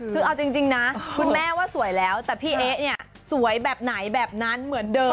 คือเอาจริงนะคุณแม่ว่าสวยแล้วแต่พี่เอ๊ะเนี่ยสวยแบบไหนแบบนั้นเหมือนเดิม